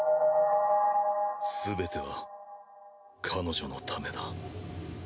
すべては彼女のためだ。